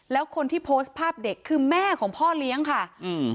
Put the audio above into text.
แล้วคนที่โพสต์ภาพเด็กคือแม่ของพ่อเลี้ยงค่ะอืม